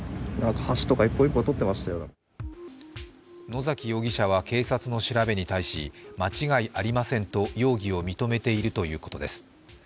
野崎容疑者は警察の調べに対し間違いありませんと容疑を認めているということです。